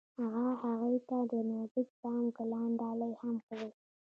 هغه هغې ته د نازک بام ګلان ډالۍ هم کړل.